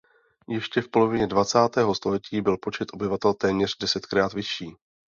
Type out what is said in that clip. Ještě v polovině dvacátého století byl počet obyvatel téměř desetkrát vyšší.